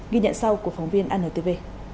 ghi nhận sau của phóng viên anhtv